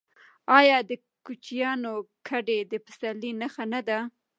آیا د کوچیانو کډې د پسرلي نښه نه ده؟